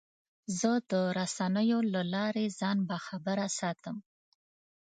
زه د رسنیو له لارې ځان باخبره ساتم.